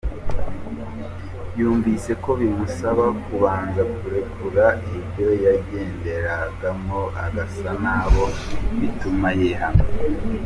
Yumvise ko bimusaba kubanza kurekura ibyo yagenderagamo agasa nabo, bituma yihana.